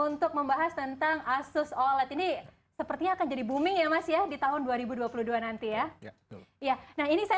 untuk membahas tentang asus oled ini sepertinya akan jadi booming ya mas ya di tahun dua ribu dua puluh dua nanti ya nah ini saya